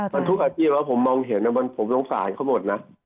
มันทุกอาชีพผมมองเห็นโดยผมทงสาเขาหมดนะ